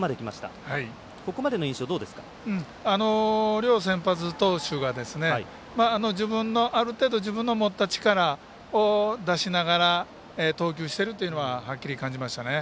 両先発投手がある程度、自分の持った力を出しながら投球しているというのははっきり感じましたね。